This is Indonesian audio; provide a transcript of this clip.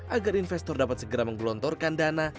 agar investor dapat segera menggelontorkan dana